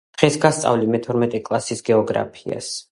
დღეს გასწავლი მეთორმეტე კლასის გეოგრაფიას